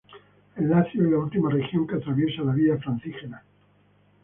El Lacio es la última región que atraviesa la Vía Francígena.